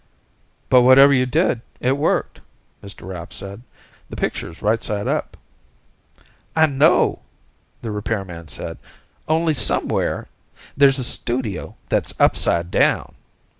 "But whatever you did ... it worked," Mr. Rapp said. "The picture's right side up." "I know," the repairman said. "Only somewhere ... there's a studio that's upside down.